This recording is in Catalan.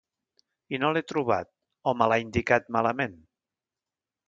I no l'he trobat o me l'ha indicat malament...